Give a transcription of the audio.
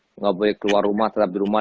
tidak boleh keluar rumah tetap di rumah